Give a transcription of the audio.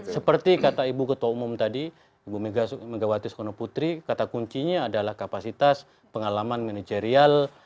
seperti kata ibu ketua umum tadi ibu megawati soekarno putri kata kuncinya adalah kapasitas pengalaman manajerial